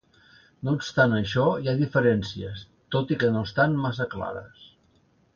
No obstant això, hi ha diferències, tot i que no estan massa clares.